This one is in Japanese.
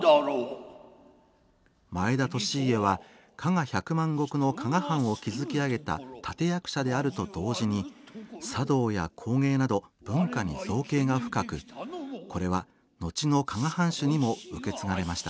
前田利家は加賀百万石の加賀藩を築き上げた立て役者であると同時に茶道や工芸など文化に造詣が深くこれは後の加賀藩主にも受け継がれました。